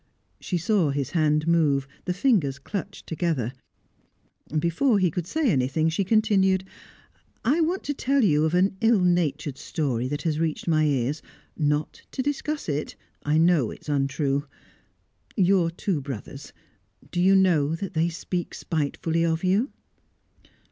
She saw his hand move, the fingers clutch together. Before he could say anything, she continued: "I want to tell you of an ill natured story that has reached my ears. Not to discuss it; I know it is untrue. Your two brothers do you know that they speak spitefully of you?"